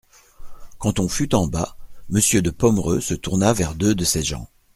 Quand on fut en bas, Monsieur de Pomereux se tourna vers deux de ses gens.